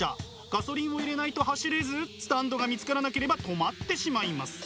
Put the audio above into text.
ガソリンを入れないと走れずスタンドが見つからなければ止まってしまいます。